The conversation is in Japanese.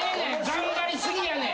頑張り過ぎやねん。